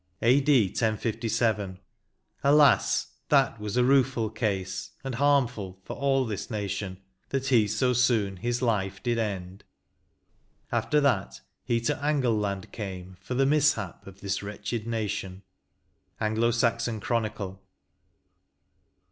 " A.D. 1067. Alas ! that was a rueful case, and harmful for all this nation, that he so soon his life did end, after that he to Angle land came, for the mishap of this wretched nation." • Anglo Saxon Chronicle.